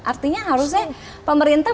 artinya harusnya pemerintah